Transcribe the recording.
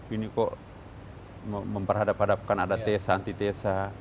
ini kok memperhadap hadapkan ada tesa anti tesa